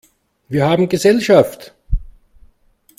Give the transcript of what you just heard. Wir haben Gesellschaft!